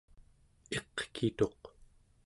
iqkituq